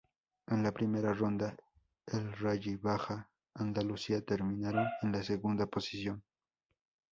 En la primera ronda, el Rally Baja Andalucía terminaron en la segunda posición.